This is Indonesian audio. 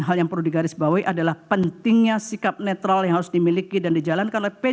hal yang perlu digarisbawahi adalah pentingnya sikap netral yang harus dimiliki dan dijalankan oleh p tiga